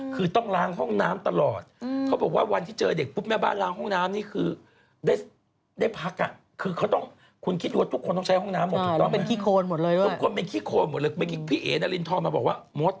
คือคนเป็นพันคนมีแม่บ้าน๑๐วันที่ผ่านมา